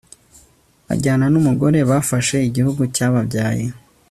Bajyana numugore bafashe igihugu cyababyaye